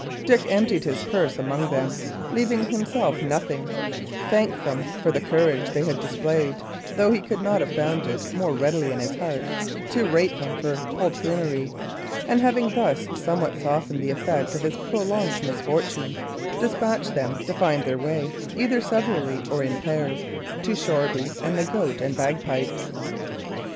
Dick emptied his purse among them, leaving himself nothing; thanked them for the courage they had displayed, though he could have found it more readily in his heart to rate them for poltroonery; and having thus somewhat softened the effect of his prolonged misfortune, despatched them to find their way, either severally or in pairs, to Shoreby and the Goat and Bagpipes.